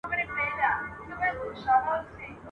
دوه خورجینه ..